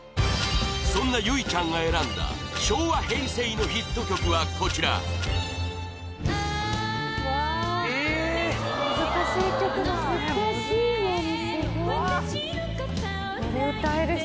そんな唯ちゃんが選んだ昭和・平成のヒット曲はこちら「ああみずいろの雨」